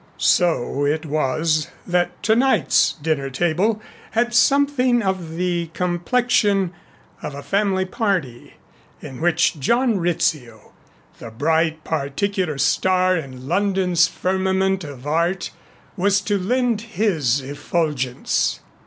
So it was that tonight's dinner table had something of the complexion of a family party, in which John Rizzio, the bright particular star in London's firmament of Art, was to lend his effulgence.